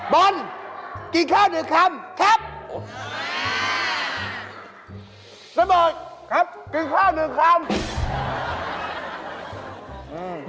บอดกินข้าวหนึ่งคำครับ